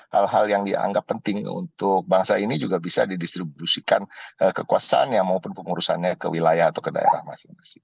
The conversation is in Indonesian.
hal hal yang dianggap penting untuk bangsa ini juga bisa didistribusikan kekuasaannya maupun pengurusannya ke wilayah atau ke daerah masing masing